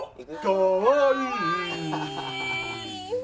かわいい。